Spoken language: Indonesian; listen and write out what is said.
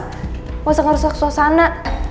enggak usah ngerusak suasana